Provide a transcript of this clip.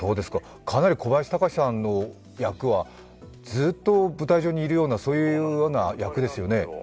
かなり小林隆さんの役はずっと舞台上にいるような役ですよね？